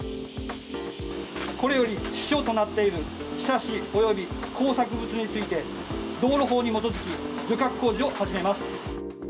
これより支障となっている、ひさし、および工作物について、道路法に基づき、除却工事を始めます。